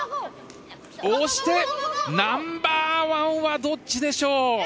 押してナンバーワンはどっちでしょう？